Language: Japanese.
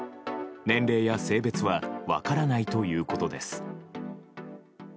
年齢や性別は分からないということです。